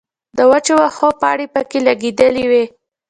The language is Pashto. د وچو وښو پانې پکښې لګېدلې وې